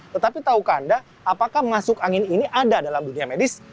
tetapi tahukah anda apakah masuk angin ini ada dalam dunia medis